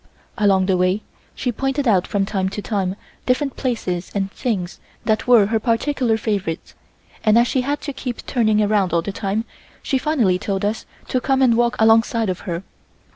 Along the way she pointed out from time to time different places and things that were her particular favorites, and as she had to keep turning around all the time, she finally told us to come and walk alongside of her.